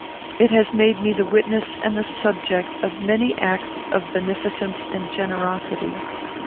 It has made me the witness and the subject of many acts of beneficence and generosity.